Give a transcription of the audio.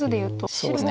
そうですね。